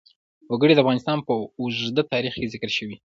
وګړي د افغانستان په اوږده تاریخ کې ذکر شوی دی.